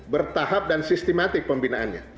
bertahap dan sistematik pembinaannya